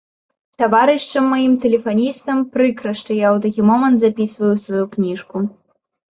Таварышам маім, тэлефаністам, прыкра, што я ў такі момант запісваю ў сваю кніжку.